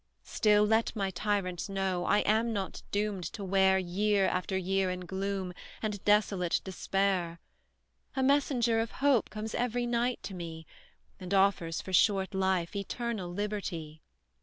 "Still, let my tyrants know, I am not doomed to wear Year after year in gloom, and desolate despair; A messenger of Hope comes every night to me, And offers for short life, eternal liberty.